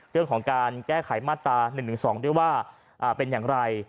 เรื่องของการแก้ไขมาตรา๑๑๒ด้วยว่าเป็นอย่างไร